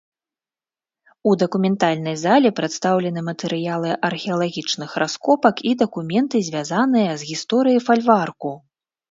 У дакументальнай залі прадстаўлены матэрыялы археалагічных раскопак і дакументы, звязаныя з гісторыяй фальварку.